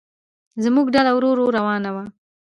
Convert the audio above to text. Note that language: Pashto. زموږ ډله ورو ورو روانه وه.